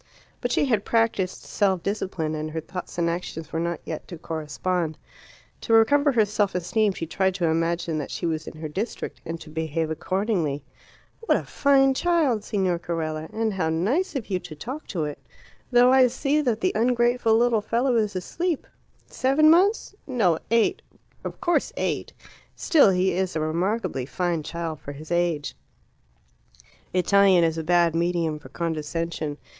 But she had practised self discipline, and her thoughts and actions were not yet to correspond. To recover her self esteem she tried to imagine that she was in her district, and to behave accordingly. "What a fine child, Signor Carella. And how nice of you to talk to it. Though I see that the ungrateful little fellow is asleep! Seven months? No, eight; of course eight. Still, he is a remarkably fine child for his age." Italian is a bad medium for condescension.